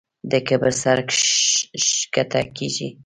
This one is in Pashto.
د کبر سر ښکته کېږي.